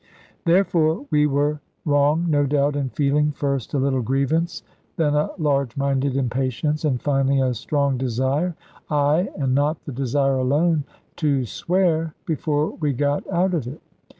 Therefore we were wrong, no doubt, in feeling first a little grievance, then a large minded impatience, and finally a strong desire ay, and not the desire alone to swear, before we got out of it.